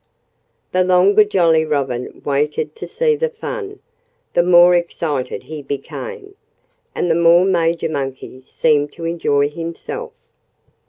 The longer Jolly Robin waited to see the fun, the more excited he became, and the more Major Monkey seemed to enjoy himself.